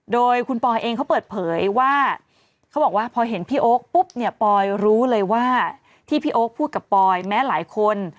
โดยคุณปอยเองเขาเปิดเผยว่าเขาบอกว่าพอเห็นพี่โอ๊คปุ๊บเนี่ยปอยรู้เลยว่าที่พี่โอ๊คพูดกับปอยแม้หลายคน